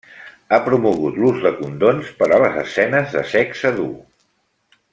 Ha promogut l'ús de condons per a les escenes de sexe dur.